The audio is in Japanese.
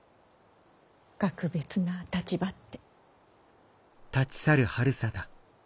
格別な立場って。